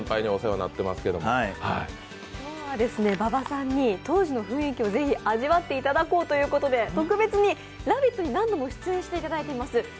今日は馬場さんに当時の雰囲気を味わっていただこうということで、特別に「ラヴィット！」に何度も出演していただいています